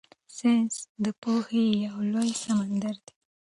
ساینس د پوهې یو لوی سمندر دی.